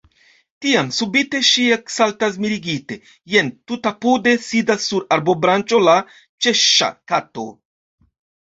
Tiam subite ŝi eksaltas mirigite; jen, tutapude, sidas sur arbobranĉo la Ĉeŝŝa kato.